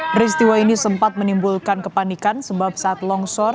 peristiwa ini sempat menimbulkan kepanikan sebab saat longsor